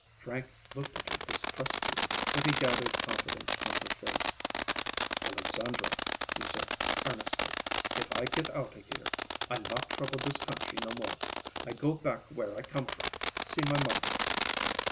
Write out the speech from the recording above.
Frank looked at her distrustfully, but he gathered confidence from her face. "Alexandra," he said earnestly, "if I git out a here, I not trouble dis country no more. I go back where I come from; see my mother."